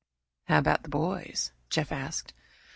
"How about the boys?" Jeff asked.